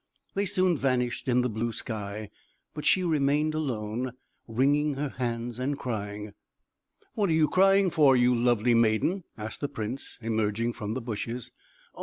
They soon vanished in the blue sky; but she remained alone, wringing her hands, and crying. "What are you crying for, you lovely maiden?" asked the prince, emerging from the bushes. "Oh!